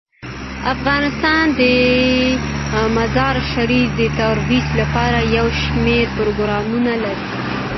افغانستان د مزارشریف د ترویج لپاره یو شمیر پروګرامونه لري.